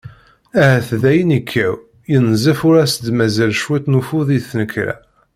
Ahat dayen yekkaw, yenzef ur as-d-mazal cwiṭ n ufud i tnekra.